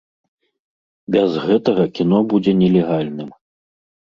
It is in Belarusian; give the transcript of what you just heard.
Без гэтага кіно будзе нелегальным.